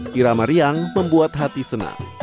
tira mariang membuat hati senang